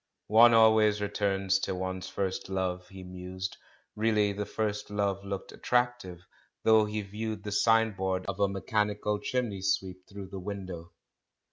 "One always returns to one's first love," he mused ; and really the first love looked attractive, though he viewed the signboard of a "mechanical chimney sweep" through the window.